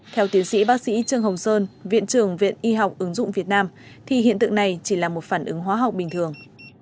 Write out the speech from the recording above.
theo tiến sĩ bác sĩ trương hồng sơn viện trưởng viện y học ứng dụng việt nam thì hiện tượng này chỉ là một phản ứng hóa học bình thường